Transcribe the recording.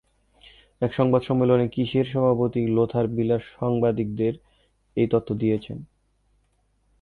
এক সংবাদ সম্মেলনে কিসের সভাপতি লোথার ভিলার সাংবাদিকদের এই তথ্য দিয়েছেন?